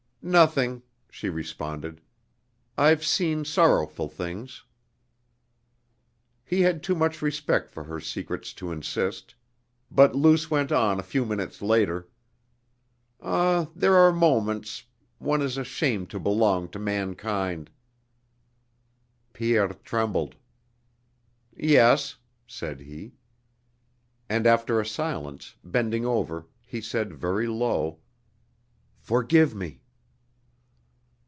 "Nothing," she responded. "I've seen sorrowful things." He had too much respect for her secrets to insist. But Luce went on a few minutes later: "Ah, there are moments.... One is ashamed to belong to mankind." Pierre trembled. "Yes," said he. And after a silence, bending over, he said very low: "Forgive me!"